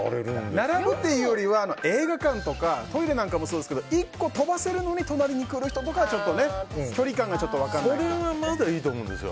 並ぶっていうより映画館とかトイレもそうですが１個飛ばせるのに隣に来る人とかにちょっと距離感が分からないですね。